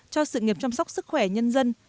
cho sự nghiệp chăm sóc sức khỏe nhân dân